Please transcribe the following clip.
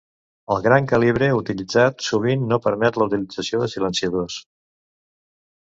El gran calibre utilitzat sovint no permet la utilització de silenciadors.